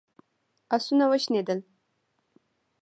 آسونه وشڼېدل.